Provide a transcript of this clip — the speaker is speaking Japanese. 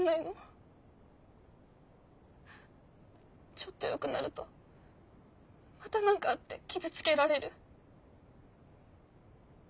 ちょっとよくなるとまた何かあって傷つけられる。